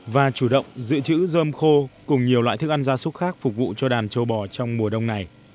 và chủ động giữ chữ dơm khô cùng nhiều loại thức ăn gia súc khác phục vụ cho đàn châu bò trong mùa đông này